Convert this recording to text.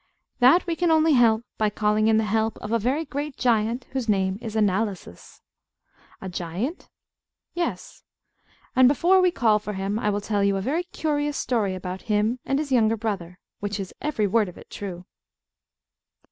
That we can only help by calling in the help of a very great giant whose name is Analysis. A giant? Yes. And before we call for him I will tell you a very curious story about him and his younger brother, which is every word of it true.